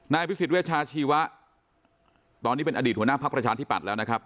พิสิทธเวชาชีวะตอนนี้เป็นอดีตหัวหน้าพักประชาธิปัตย์แล้วนะครับ